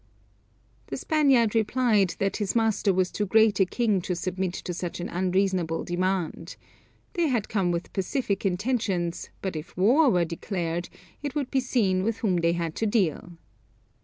The Spaniard replied that his master was too great a king to submit to such an unreasonable demand. They had come with pacific intentions; but if war were declared, it would be seen with whom they had to deal.